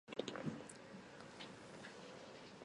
协议直到月底并无进展。